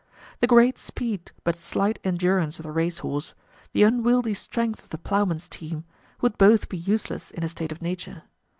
The great speed but slight endurance of the race horse, the unwieldy strength of the ploughman's team, would both be useless in a state of nature.